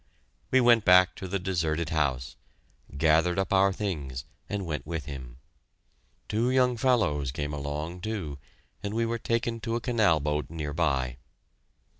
We went back to the deserted house, gathered up our things, and went with him. Two young fellows came along, too, and we were taken to a canal boat near by.